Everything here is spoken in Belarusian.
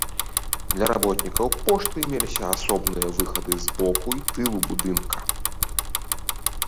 Для работнікаў пошты меліся асобныя выхады з боку і тылу будынка.